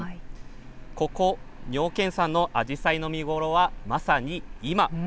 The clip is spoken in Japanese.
ここ妙見山のアジサイの見頃はまさに今。